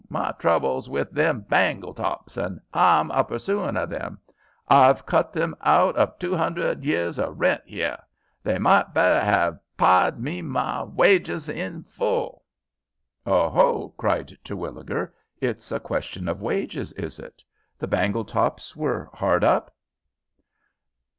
My trouble's with them Baingletops, and h'I'm a pursuin' of 'em. H'I've cut 'em out of two 'undred years of rent 'ere. They might better 'ave pide me me waiges hin full." "Oho!" cried Terwilliger; "it's a question of wages, is it? The Bangletops were hard up?"